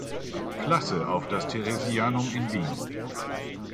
Klasse auf das Theresianum in Wien.